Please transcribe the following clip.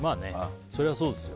そりゃそうですよ。